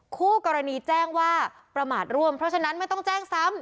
คู่กรณีแจ้งว่าประมาทร่วมเพราะฉะนั้นไม่ต้องแจ้งซ้ำ